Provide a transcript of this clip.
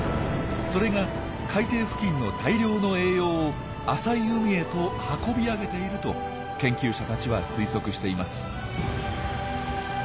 それが海底付近の大量の栄養を浅い海へと運び上げていると研究者たちは推測しています。